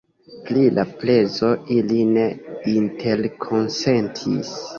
Pri la prezo ili ne interkonsentis.